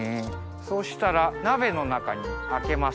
そうしたら鍋の中にあけます。